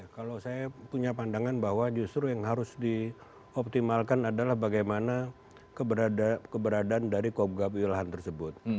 kalau saya punya pandangan bahwa justru yang harus dioptimalkan adalah bagaimana keberadaan dari kogab wilhan tersebut